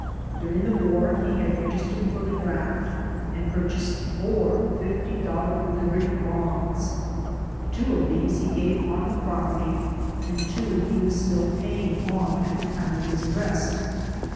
During the war he had registered for the draft and purchased four fifty dollar Liberty Bonds. Two of these he gave on the property and two he was still paying on at the time of his arrest.